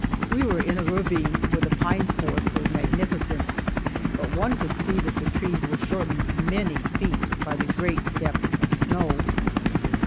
We were in a ravine where the pine forest was magnificent, but one could see that the trees were shortened many feet by the great depth of snow.